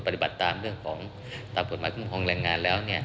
ปฏิบัติตามเรื่องของหลังงานแล้วนี่